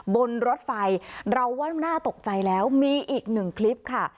บนรถไฟเราว่าน่าตกใจแล้วมีอีกหนึ่งคลิปค่ะ